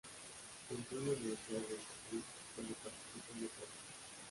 Entró a la Universidad de San Luis donde participó en deportes.